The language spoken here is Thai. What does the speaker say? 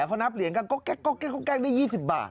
พอนับเหรียญก็แก๊กได้๒๐บาท